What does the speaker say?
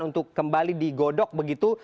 untuk kembali digodok begitu